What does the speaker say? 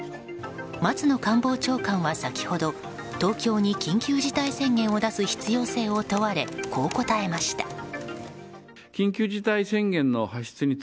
松野官房長官は先ほど東京に緊急事態宣言を出す必要性を問われ、こう答えました。